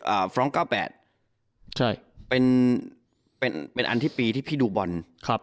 ฟ้องเก้าแปดใช่เป็นเป็นอันที่ปีที่พี่ดูบอลครับ